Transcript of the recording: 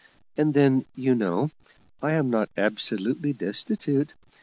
And then, you know, I am not absolutely destitute.